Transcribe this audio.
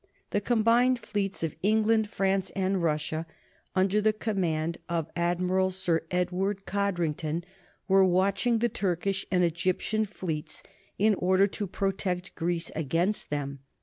The combined fleets of England, France, and Russia, under command of Admiral Sir Edward Codrington, were watching the Turkish and Egyptian fleets, in order to protect Greece against them.